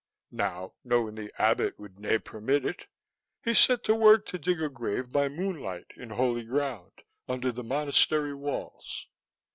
Now, knowing the Abbott would nae permit it, he set to work to dig a grave by moonlight in holy ground, under the monastery walls.